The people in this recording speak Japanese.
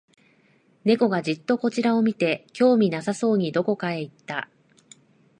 猫がじっとこちらを見て、興味なさそうにどこかへ行った